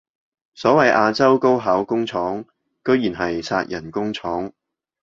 所謂亞洲高考工廠居然係殺人工廠